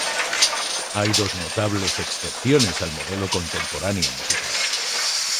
Hay dos notables excepciones al modelo contemporáneo musical.